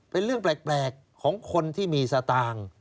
เป็นเรื่องแปลกของคนที่มีสตางค์